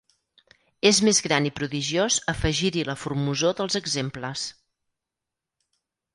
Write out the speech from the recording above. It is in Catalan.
És més gran i prodigiós afegir-hi la formosor dels exemples